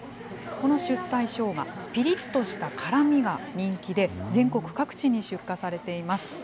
この出西しょうが、ぴりっとした辛みが人気で、全国各地に出荷されています。